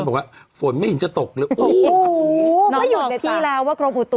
บอกว่าฝนไม่เห็นจะตกเลยอู้